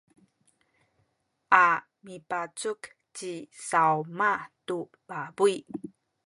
a mipacuk ci Sawmah tu pabuy.